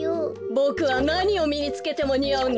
ボクはなにをみにつけてもにあうんだ。